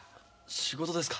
仕事ですか？